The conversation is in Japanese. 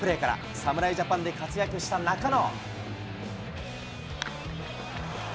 侍ジャパンで活躍した中野。